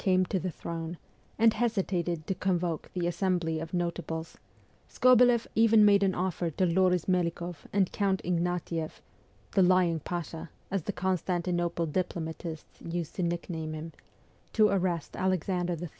came to the throne, and hesitated to convoke the Assembly of Notables, Skobeleff even made an offer to L6ris Melikoff and Count Ignatieff (' the lying Pasha/ as the Constantinople diplomatists used to nickname him) to arrest Alexander III.